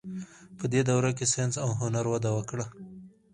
په دې دوره کې ساینس او هنر وده وکړه.